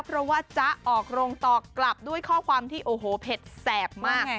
เพราะว่าจ๊ะออกโรงตอกกลับด้วยข้อความที่โอ้โหเผ็ดแสบมาก